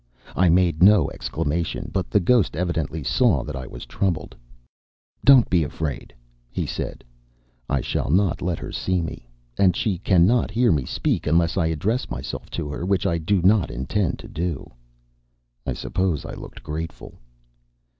I made no exclamation, but the ghost evidently saw that I was troubled. "Don't be afraid," he said "I shall not let her see me; and she cannot hear me speak unless I address myself to her, which I do not intend to do." I suppose I looked grateful.